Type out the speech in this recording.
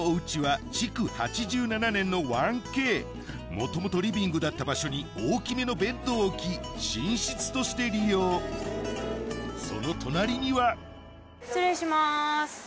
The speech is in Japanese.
もともとリビングだった場所に大きめのベッドを置き寝室として利用その隣には失礼します。